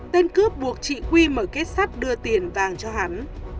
tên cướp buộc chị quy mở kết sắt đưa tiền vàng cho hắn